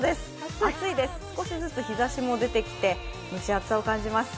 暑いです、少しずつ日ざしも出てきて蒸し暑さも感じます。